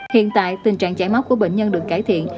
hiện tại tình trạng chảy máu của bệnh nhân được cải thiện